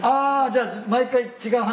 じゃあ毎回違う話。